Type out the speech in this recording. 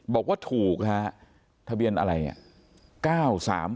บอกว่าถูกฮะทะเบียนอะไรอ่ะ